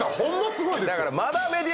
すごいですよ！